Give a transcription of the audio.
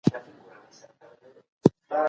په جګړه کي ګټونکی نسته.